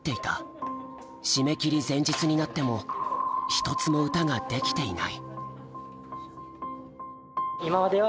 締め切り前日になっても一つも歌ができていない。